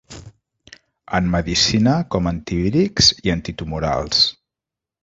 En medicina com antivírics i antitumorals.